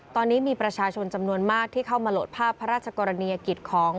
ตอนนี้มีประชาชนจำนวนมากที่เข้ามาโหลดภาพพระราชกรณียกิจของ